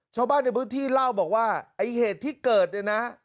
ชาวบ้านในพื้นที่เล่าบอกว่าไอ้เหตุที่เกิดเนี่ยนะ